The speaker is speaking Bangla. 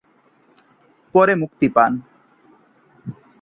পরে মুক্তি পান।